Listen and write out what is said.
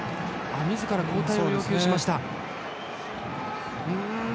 みずから交代を要求しました。